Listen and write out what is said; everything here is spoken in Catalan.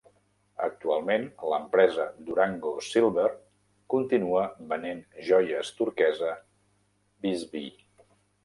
Actualment, l'empresa Durango Silver continua venent joies turquesa Bisbee.